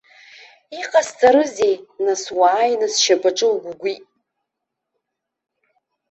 Иҟасҵарызеи, нас, уааины сшьапаҿы угәыгәит.